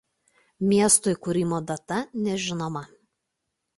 Miesto įkūrimo data nežinoma.